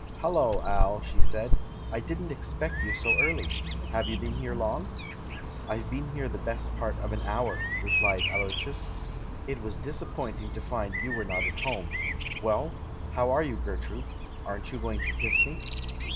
"Hallo, Al!" she said; "I didn't expect you so early. Have you been here long?" "I've been here the best part of an hour," re plied Aloysius. "It was disappointing to find you were not at home. Well, how are you, Ger trude? Aren't you going to kiss me?"